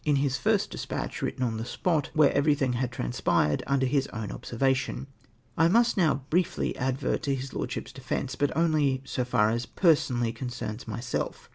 89 in his first despatch written on the spot, where every thing had transpired mider his own observation. I must now briefly advert to his lordship's defence, but only so far as personally concerns myself.